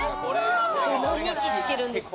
何日漬けるんですか？